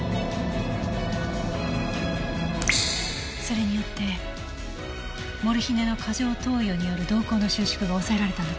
それによってモルヒネの過剰投与による瞳孔の収縮が抑えられたんだと思います。